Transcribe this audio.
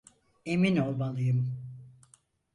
Emin olmalıyım.